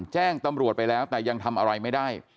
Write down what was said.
แจ้งตำรวจไปแล้วแต่ยังทำอะไรไม่ได้